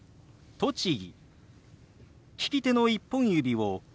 「栃木」。